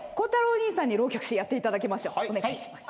お願いします。